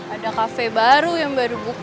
ada kafe baru yang baru buka